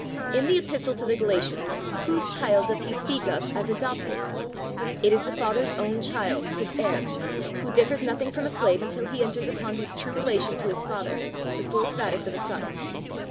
In the epistle to the Galatians, whose child does he speak of as adopted? It is the father's own child, his heir, who differs nothing from a slave until he enters upon his true relation to his father the full status of a son.